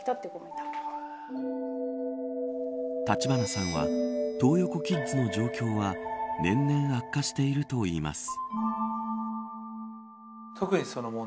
橘さんはトー横キッズの状況は年々、悪化しているといいます。